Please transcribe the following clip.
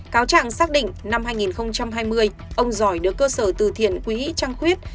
cáo trạng xác định năm hai nghìn hai mươi ông giỏi được cơ sở từ thiện quỹ trăng khuyết